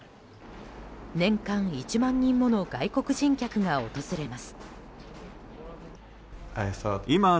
年間１万人もの外国人客が訪れます。